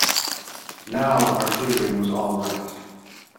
Now our figuring was all right.